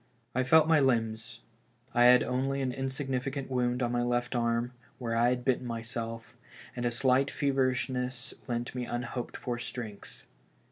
I felt my limbs ; I had only an insignificant wound on my left arm, where I had bitten myself, and a slight feverishness lent me unhoped for strength.